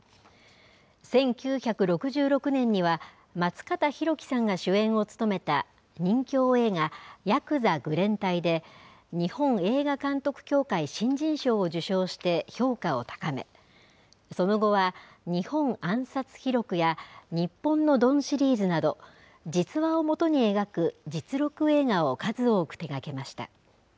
１９６６年には松方弘樹さんが主演を務めた任きょう映画、８９３愚連隊で日本映画監督協会新人賞を受賞して評価を高めその後は日本暗殺秘録や日本の首領シリーズなど実話を基に描く実録映画を数多く手がけました。